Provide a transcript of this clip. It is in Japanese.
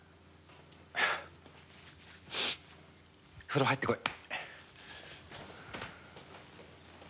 風呂入ってこい。